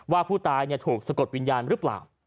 ว่าผู้ตายถูกสะกดวิญญาณหรือเปล่า